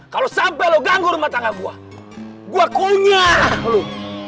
kalau sampai lo ganggu rumah tangga gua gua punya lu